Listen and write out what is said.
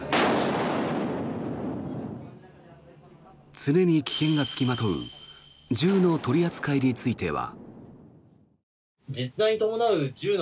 常に危険が付きまとう銃の取り扱いについては。